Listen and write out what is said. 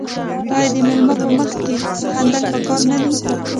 آیا د میلمه په مخ کې خندل پکار نه دي؟